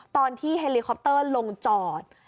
ตอนที่เฮลิคอปเตอร์ลงจอด